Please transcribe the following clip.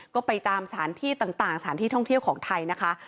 ก็ไปตามสถานที่ต่างสถานที่ท่องเที่ยวของไทยนะคะ